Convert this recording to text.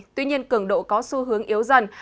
tuy nhiên cường độ có xu hướng yếu dần